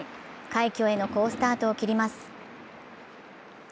快挙への好スタートを切ります。